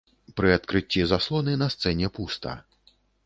Пры адкрыцці заслоны на сцэне пуста.